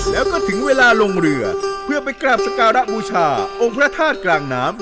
แล้วก็ถึงเวลาลงเรือเพื่อไปกราบสการะบูชาองค์พระธาตุกลางน้ำ